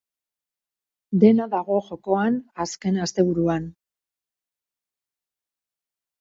Dena dago jokoan azken asteburuan.